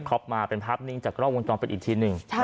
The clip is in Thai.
คอปมาเป็นภาพนิ่งจากรอกวงจรเป็นอีกชิ้นหนึ่ง